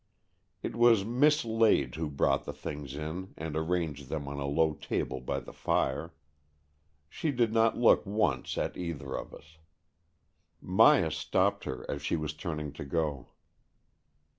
It was Miss Lade who brought the things in and arranged them on a low table by the fire. She did not look once at either of us. Myas stopped her as she was turning to go.